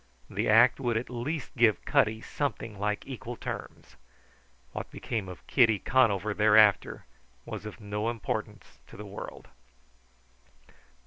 The act would at least give Cutty something like equal terms. What became of Kitty Conover thereafter was of no importance to the world.